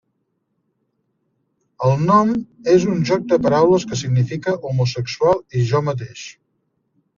El nom és un joc de paraules, que significa 'homosexual' i 'jo mateix'.